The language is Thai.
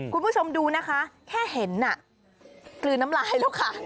คุณผู้ชมดูนะคะแค่เห็นกลืนน้ำลายแล้วค่ะ